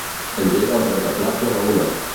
Engega el rentaplats a la una.